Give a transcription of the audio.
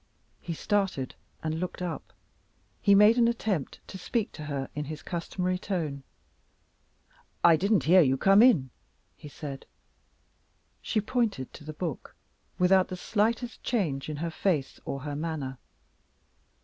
He started and looked up; he made an attempt to speak to her in his customary tone. "I didn't hear you come in," he said. She pointed to the book, without the slightest change in her face or her manner.